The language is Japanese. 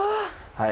はい。